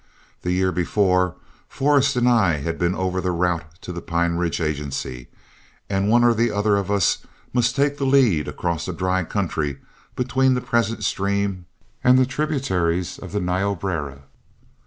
The year before, Forrest and I had been over the route to the Pine Ridge Agency, and one or the other of us must take the lead across a dry country between the present stream and tributaries of the Niobrara.